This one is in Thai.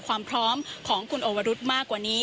ความพร้อมของคุณโอวรุธมากกว่านี้